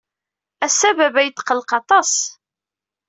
Ass-a, baba yetqelleq aṭas.